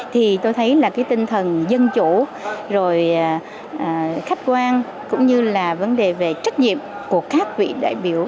thì tôi thấy là cái tinh thần dân chủ rồi khách quan cũng như là vấn đề về trách nhiệm của các vị đại biểu